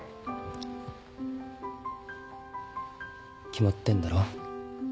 決まってんだろ。